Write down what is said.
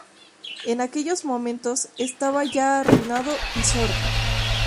En aquellos momentos estaba ya arruinado y sordo.